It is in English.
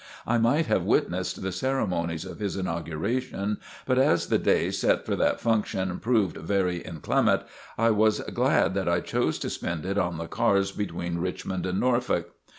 I might have witnessed the ceremonies of his inauguration, but as the day set for that function proved very inclement, I was glad that I chose to spend it on the cars between Richmond and Norfolk.